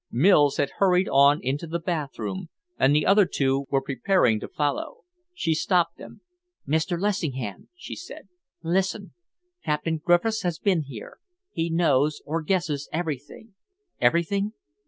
Mills had hurried on into the bathroom, and the other two were preparing to follow. She stopped them. "Mr. Lessingham," she said, "listen. Captain Griffiths has been here. He knows or guesses everything." "Everything?"